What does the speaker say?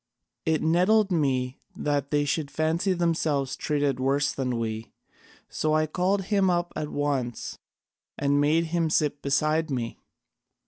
It nettled me that they should fancy themselves treated worse than we, so I called him up at once and made him sit beside me.